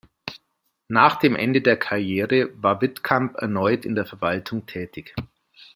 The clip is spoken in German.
Nach dem Ende der Karriere war Wittkamp erneut in der Verwaltung tätig.